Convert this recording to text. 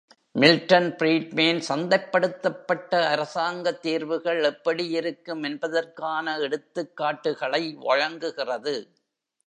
Milton Friedman சந்தைப்படுத்தப்பட்ட அரசாங்க தீர்வுகள் எப்படி இருக்கும் என்பதற்கான எடுத்துக்காட்டுகளை வழங்குகிறது.